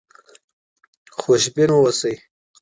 خوشبین اوسئ.